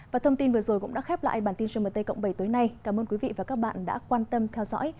và thông tin vừa rồi cũng đã khép lại bản tin gmt cộng bảy tối nay cảm ơn quý vị và các bạn đã quan tâm theo dõi